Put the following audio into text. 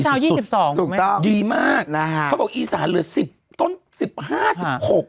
ยี่สิบสองถูกต้องดีมากนะฮะเขาบอกอีสานเหลือสิบต้นสิบห้าสิบหก